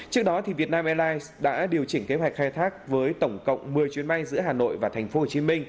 trước đó việt nam airlines đã điều chỉnh kế hoạch khai thác với tổng cộng một mươi chuyến bay giữa hà nội và tp hcm